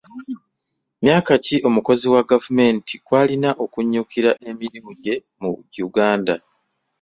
Myaka ki omukozi wa gavumenti kw'alina okunyukkira emirimu gye mu Uganda?